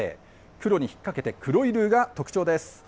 クロにひっかけて、黒いルーが特徴です。